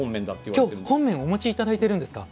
今日、本面をお持ちいただいてるんですか？